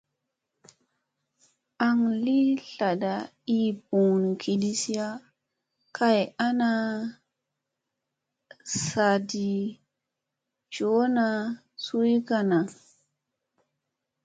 An tli laaɗa ii ɓuuna kiɗisiya kay ana saaɗi coɗa suy kanu.